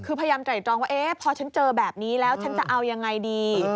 คือพยายามไตรตรองว่าพอฉันเจอแบบนี้แล้วฉันจะเอายังไงดี